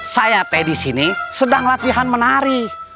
saya teh disini sedang latihan menari